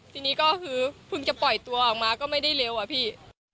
ทีนี้ก็คือเพิ่งจะปล่อยตัวออกมาก็ไม่ได้เร็วอะพี่